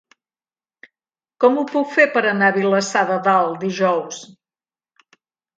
Com ho puc fer per anar a Vilassar de Dalt dijous?